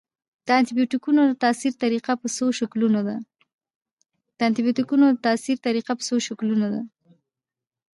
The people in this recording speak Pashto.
د انټي بیوټیکونو د تاثیر طریقه په څو شکلونو ده.